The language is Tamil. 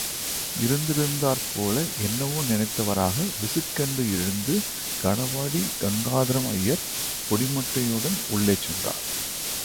இருந்திருந்தாற்போல என்னவோ நினைத்தவராக, விசுக் கென்று எழுந்த கனபாடி கங்காதரம் ஐயர், பொடிமட்டையுடன் உள்ளே சென்றார்.